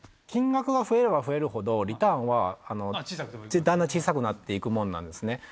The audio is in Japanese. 金額が増えれば増えるほどリターンはだんだん小さくなっていくものなんですね。